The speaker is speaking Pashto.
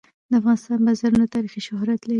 د افغانستان بازارونه تاریخي شهرت لري.